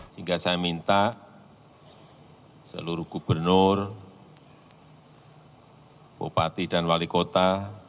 sehingga saya minta seluruh gubernur bupati dan wali kota